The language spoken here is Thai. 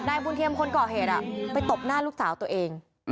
บุญเทียมคนก่อเหตุไปตบหน้าลูกสาวตัวเอง